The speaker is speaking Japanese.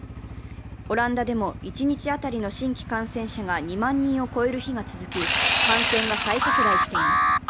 オランダでも一日当たりの新規感染者が２万人を超える日が続き、感染が再拡大しています。